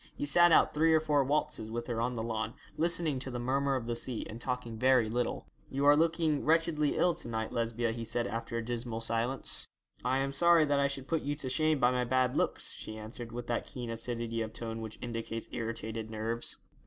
He sat out three or four waltzes with her on the lawn, listening to the murmer of the sea, and talking very little. 'You are looking wretchedly ill to night, Lesbia,' he said, after a dismal silence. 'I am sorry that I should put you to shame by my bad looks,' she answered, with that keen acidity of tone which indicates irritated nerves.